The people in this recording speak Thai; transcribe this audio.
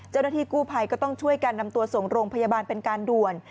เจ้าหน้าที่กู้ภัยก็ต้องช่วยการนำตัวส่งโรงพยาบาลเป็นการด่วน